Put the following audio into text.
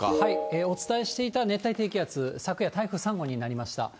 お伝えしていた熱帯低気圧、昨夜、台風３号になりました。